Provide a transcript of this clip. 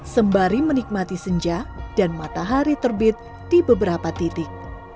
sembari menikmati senja dan matahari terbit di beberapa titik